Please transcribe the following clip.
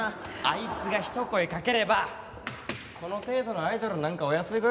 あいつがひと声かければこの程度のアイドルなんかお安いご用ですよ。